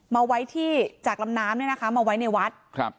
มาไว้ที่จากลำน้ำมาไว้ในวัด